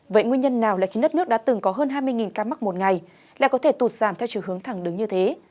vậy nguyên nhân nào là khi đất nước đã từng có hơn hai mươi ca mắc một ngày lại có thể tụt giảm theo chiều hướng thẳng đứng như thế